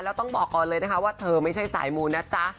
แล้วต้องบอกก่อนเลยนะคะว่าเธอไม่ใช่สายมูนะจ๊ะ